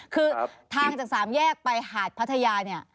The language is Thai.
คือทางจากสามแยกไปหาดพัทยาเนี่ย